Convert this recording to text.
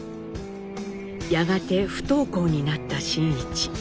やがて不登校になった真一。